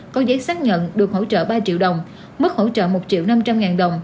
có giấy xác nhận được hỗ trợ ba triệu đồng mức hỗ trợ một triệu năm trăm linh ngàn đồng